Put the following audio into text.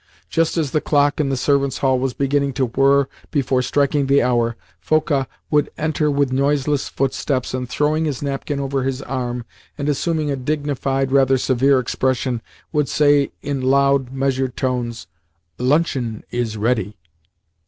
Just as the clock in the servants' hall was beginning to whirr before striking the hour, Foka would enter with noiseless footsteps, and, throwing his napkin over his arm and assuming a dignified, rather severe expression, would say in loud, measured tones: "Luncheon is ready!"